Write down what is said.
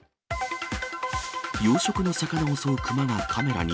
養殖の魚襲う熊がカメラに。